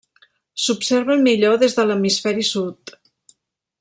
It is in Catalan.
S'observen millor des de l'hemisferi sud.